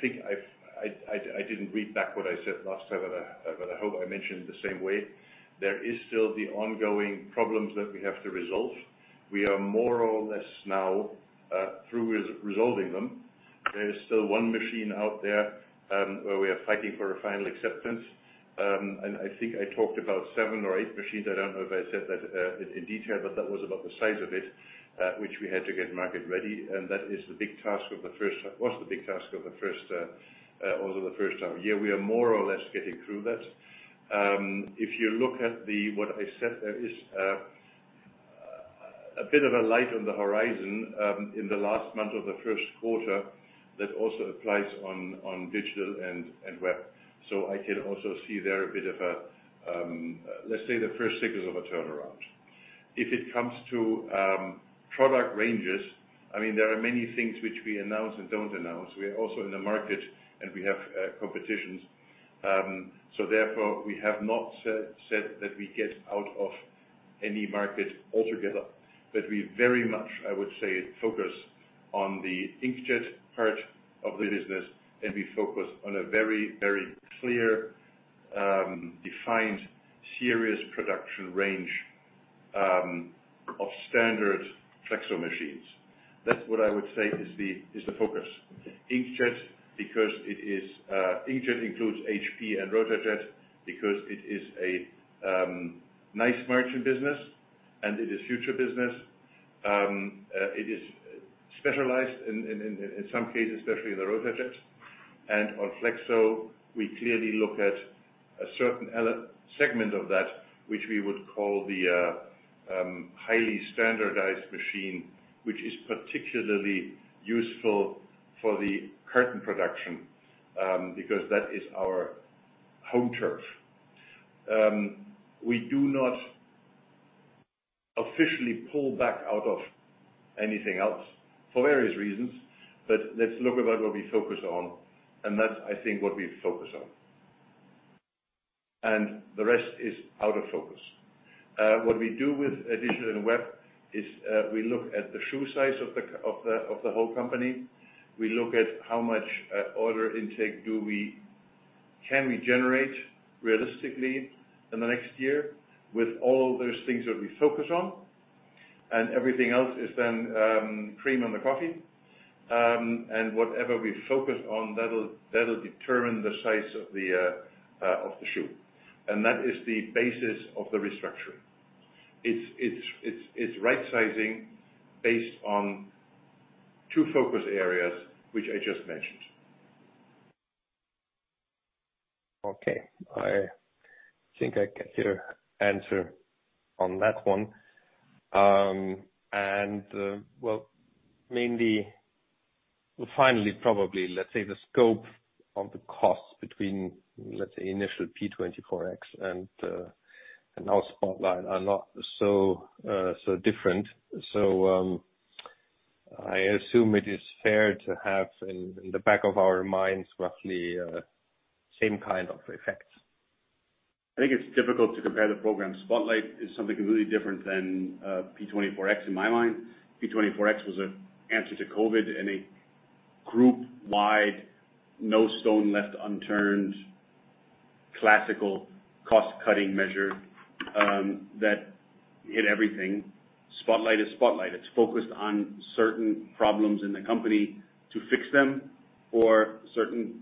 think I didn't read back what I said last time, but I hope I mentioned it the same way. There is still the ongoing problems that we have to resolve. We are more or less now through resolving them. There is still one machine out there where we are fighting for a final acceptance, and I think I talked about seven or eight machines. I don't know if I said that in detail, but that was about the size of it, which we had to get market ready. That was the big task of the first half of the year. We are more or less getting through that. If you look at what I said, there is a bit of a light on the horizon in the last month of the first quarter that also applies on Digital & Webfed. I can also see there a bit of a, let's say, the first signals of a turnaround. If it comes to product ranges, there are many things which we announce and don't announce. We are also in the market and we have competitions. Therefore, we have not said that we get out of any market altogether, but we very much, I would say, focus on the inkjet part of the business and we focus on a very, very clear, defined, serious production range of standard Flexo machines. That's what I would say is the focus. Inkjet includes HP and RotaJET because it is a nice margin business and it is future business. It is specialized in some cases, especially in the RotaJET. On Flexo, we clearly look at a certain segment of that which we would call the highly standardized machine, which is particularly useful for the corrugated production, because that is our home turf. We do not officially pull back out of anything else for various reasons, but let's look at what we focus on, and that's, I think, what we focus on. The rest is out of focus. What we do with Digital & Webfed is we look at the shoe size of the whole company. We look at how much order intake can we generate realistically in the next year with all those things that we focus on, and everything else is then cream on the coffee. Whatever we focus on, that'll determine the size of the shoe. That is the basis of the restructuring. It's right-sizing based on two focus areas, which I just mentioned. Okay. I think I get your answer on that one. Well, finally, probably, let's say the scope of the cost between, let's say initial P24X and now Spotlight are not so different. I assume it is fair to have in the back of our minds roughly same kind of effects. I think it's difficult to compare the programs. Spotlight is something completely different than P24X, in my mind. P24X was an answer to COVID and a group-wide, no stone left unturned, classical cost-cutting measure that hit everything. Spotlight is Spotlight. It's focused on certain problems in the company to fix them or certain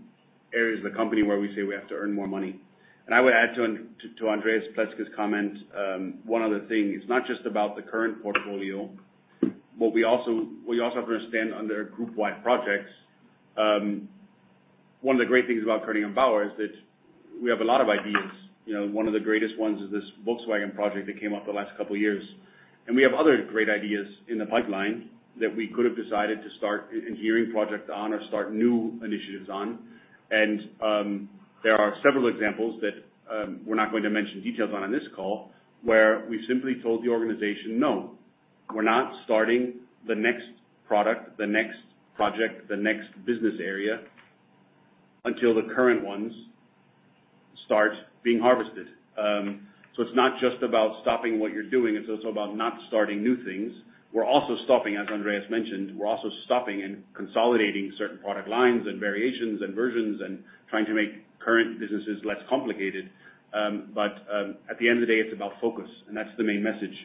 areas of the company where we say we have to earn more money. I would add to Andreas Pleßke's comment, one other thing. It's not just about the current portfolio, what we also have to understand under group-wide projects, one of the great things about Koenig & Bauer is that we have a lot of ideas. One of the greatest ones is this Volkswagen project that came up the last couple of years. We have other great ideas in the pipeline that we could have decided to start an engineering project on or start new initiatives on. There are several examples that we're not going to mention details on this call, where we simply told the organization, "No. We're not starting the next product, the next project, the next business area, until the current ones start being harvested." It's not just about stopping what you're doing, it's also about not starting new things. As Andreas mentioned, we're also stopping and consolidating certain product lines and variations and versions and trying to make current businesses less complicated. At the end of the day, it's about focus, and that's the main message.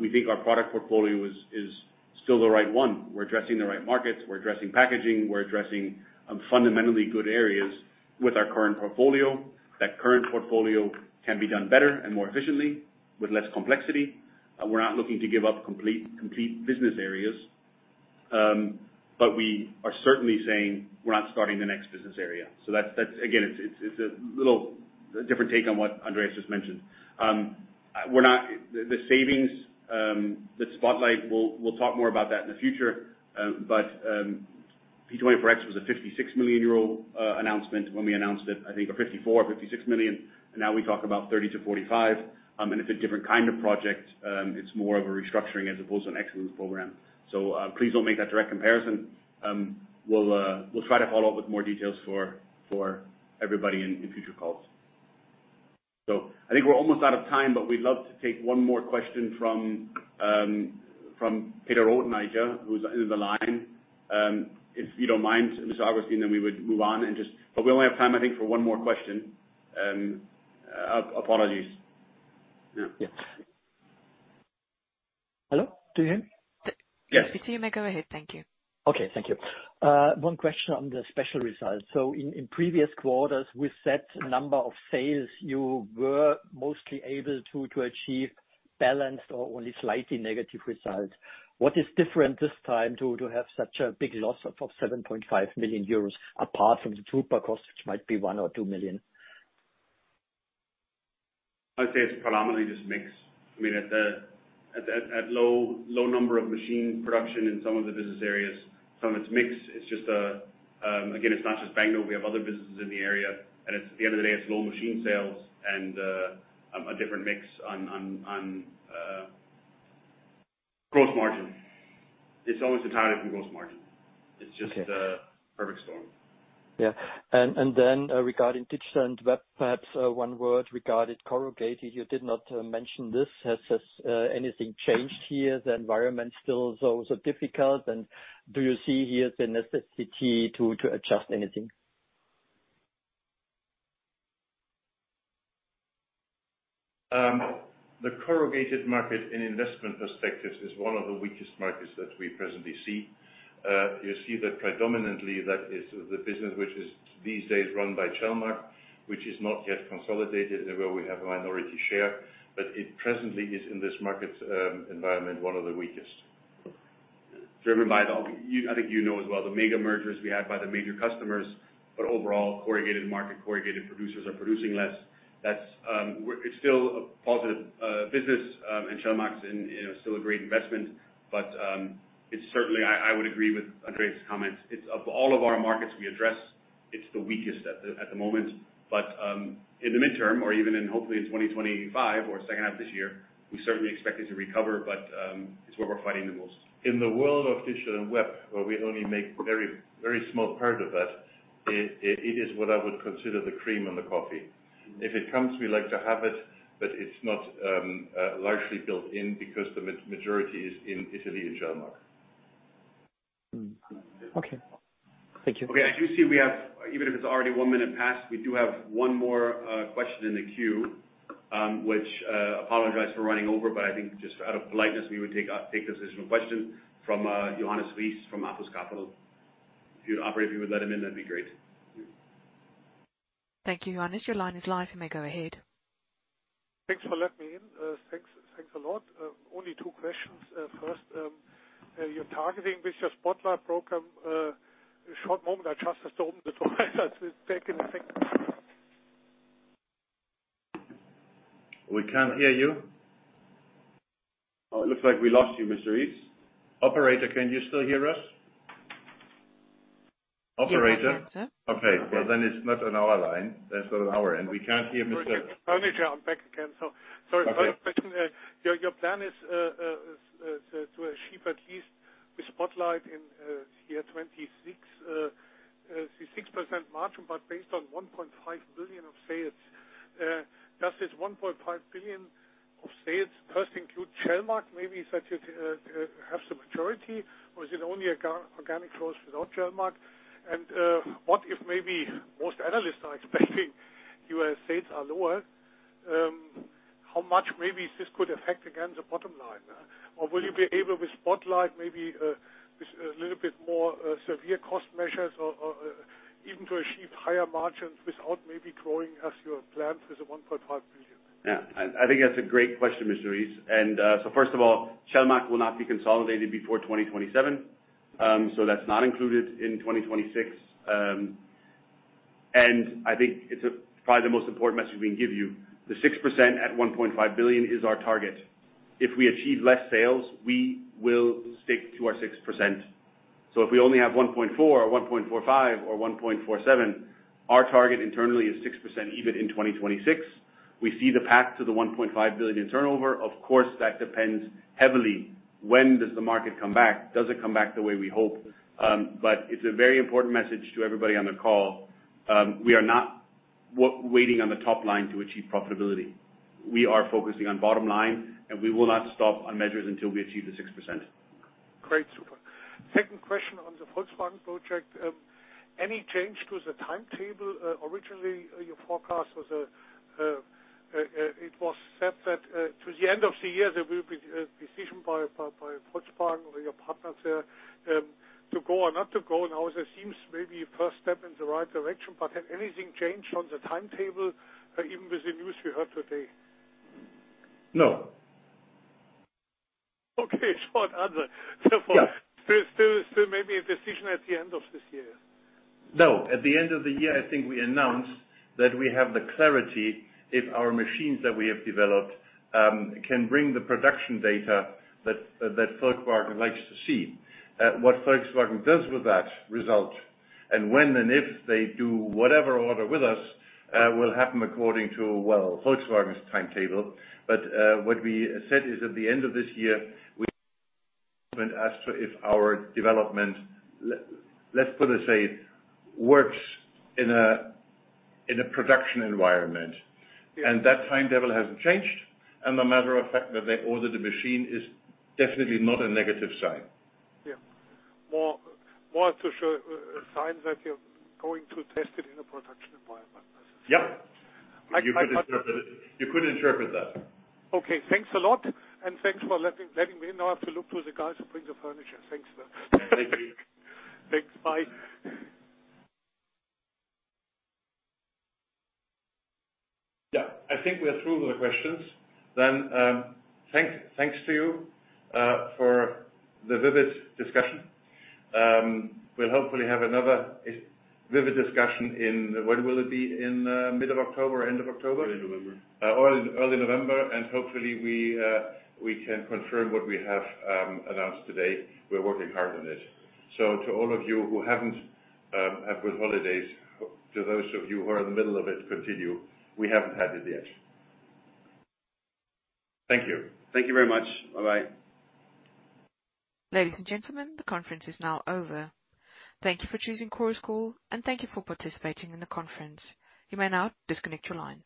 We think our product portfolio is still the right one. We're addressing the right markets, we're addressing packaging, we're addressing fundamentally good areas with our current portfolio. That current portfolio can be done better and more efficiently with less complexity. We're not looking to give up complete business areas. We are certainly saying we're not starting the next business area. Again, it's a little different take on what Andreas just mentioned. The savings, the Spotlight, we'll talk more about that in the future, but P24X was a 56 million euro announcement when we announced it. I think a 54 million, 56 million. Now we talk about 30 million to 45 million, and it's a different kind of project. It's more of a restructuring as opposed to an excellence program. Please don't make that direct comparison. We'll try to follow up with more details for everybody in future calls. I think we're almost out of time, but we'd love to take one more question from Peter Rothenager, who's in the line. If you don't mind, Mr. Augustin, we would move on. We only have time, I think, for one more question. Apologies. Yes. Hello. Do you hear me? Yes. Yes, we do. You may go ahead. Thank you. Okay. Thank you. One question on the Special results. In previous quarters, with that number of sales, you were mostly able to achieve balanced or only slightly negative results. What is different this time to have such a big loss of 7.5 million euros apart from the drupa cost, which might be EUR one or two million? I'd say it's predominantly just mix. At low number of machine production in some of the business areas. Some of it's mix. Again, it's not just Banknote. We have other businesses in the area, and at the end of the day, it's low machine sales and a different mix on gross margin. It's always entirely from gross margin. Okay. It's just a perfect storm. Regarding Digital & Webfed, perhaps one word regarding corrugated. You did not mention this. Has anything changed here? The environment still so difficult and do you see here the necessity to adjust anything? The corrugated market in investment perspective is one of the weakest markets that we presently see. You see that predominantly that is the business which is these days run by Celmacch, which is not yet consolidated and where we have a minority share. It presently is in this market environment, one of the weakest. Driven by the, I think you know as well, the mega mergers we had by the major customers. Overall, corrugated market, corrugated producers are producing less. It's still a positive business, and Celmacch is still a great investment. Certainly, I would agree with Andreas' comments. Of all of our markets we address, it's the weakest at the moment. In the midterm or even in, hopefully, in 2025 or second half of this year, we certainly expect it to recover, but it's where we're fighting the most. In the world of Digital and Web, where we only make very small part of that, it is what I would consider the cream on the coffee. If it comes, we like to have it, but it's not largely built in because the majority is in Italy, in Celmacch. Okay. Thank you. Okay. I do see we have, even if it's already one minute past, we do have one more question in the queue. Apologize for running over, I think just out of politeness, we would take this additional question from Johannes Rees from Apus Capital. If you would operate, if you would let him in, that'd be great. Thank you, Johannes. Your line is live. You may go ahead. Thanks for letting me in. Thanks a lot. Only two questions. First, your targeting with your Spotlight program. A short moment. I just have to open the door to take in the cigarette. We can't hear you. Oh, it looks like we lost you, Mr. Rees. Operator, can you still hear us? Yes, we can, sir. Operator? Okay. Well, it's not on our line. That's not on our end. We can't hear Mr.- Sorry. I'm back again. Sorry. Okay. Your plan is to achieve at least Spotlight in year 2026, 6% margin, based on 1.5 billion of sales. Does this 1.5 billion of sales first include Celmacch? Maybe such as perhaps the majority? Is it only organic growth without Celmacch? What if maybe most analysts are expecting EUR sales are lower, how much maybe this could affect again, the bottom line? Will you be able with Spotlight, maybe with a little bit more severe cost measures, or even to achieve higher margins without maybe growing as you have planned with the 1.5 billion? Yeah, I think that's a great question, Mr. Rees. First of all, Celmacch will not be consolidated before 2027. That's not included in 2026. I think it's probably the most important message we can give you. The 6% at 1.5 billion is our target. If we achieve less sales, we will stick to our 6%. If we only have 1.4 billion or 1.45 billion or 1.47 billion, our target internally is 6%, even in 2026. We see the path to the 1.5 billion turnover. Of course, that depends heavily, when does the market come back? Does it come back the way we hope? It's a very important message to everybody on the call. We are not waiting on the top line to achieve profitability. We are focusing on bottom line, and we will not stop on measures until we achieve the 6%. Great. Super. Second question on the Volkswagen project. Any change to the timetable? Originally, your forecast, it was set that to the end of the year, there will be a decision by Volkswagen or your partners there, to go or not to go. Now it seems maybe a first step in the right direction, but has anything changed on the timetable, even with the news we heard today? No. Okay. Short answer. Yeah. Still maybe a decision at the end of this year. At the end of the year, I think we announced that we have the clarity if our machines that we have developed can bring the production data that Volkswagen likes to see. What Volkswagen does with that result and when and if they do whatever order with us, will happen according to, well, Volkswagen's timetable. What we said is, at the end of this year, we As to if our development, let's put it as safe, works in a production environment. Yeah. That timetable hasn't changed. A matter of fact that they ordered the machine is definitely not a negative sign. Yeah. More to show signs that you're going to test it in a production environment. Yeah. You could interpret that. Okay. Thanks a lot, and thanks for letting me know. I have to look for the guys who bring the furniture. Thanks for that. Thank you. Thanks. Bye. Yeah. I think we're through with the questions then. Thanks to you for the vivid discussion. We'll hopefully have another vivid discussion in, when will it be? In mid of October or end of October? Early November. Early November. Hopefully, we can confirm what we have announced today. We're working hard on it. To all of you who haven't have good holidays, to those of you who are in the middle of it, continue. We haven't had it yet. Thank you. Thank you very much. Bye-bye. Ladies and gentlemen, the conference is now over. Thank you for choosing Chorus Call, and thank you for participating in the conference. You may now disconnect your lines.